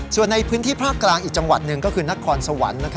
ส่วนในพื้นที่ภาคกลางอีกจังหวัดหนึ่งก็คือนครสวรรค์